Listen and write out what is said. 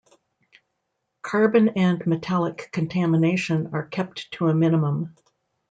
Carbon and metallic contamination are kept to a minimum.